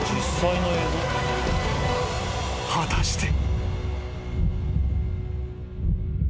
［果たして］